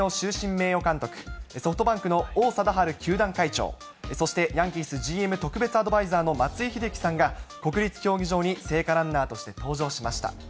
名誉監督、ソフトバンクの王貞治球団会長、そしてヤンキースＧＭ特別アドバイザーの松井秀喜さんが、国立競技場に聖火ランナーとして登場しました。